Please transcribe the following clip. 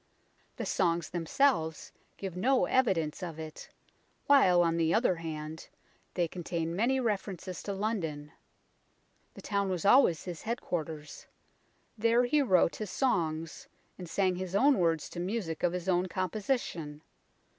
The songs themselves give no evidence of it, while, on the other hand, they con tain many references to London. The town was always his headquarters ; there he wrote his songs, and sang his own words to music of his own composition.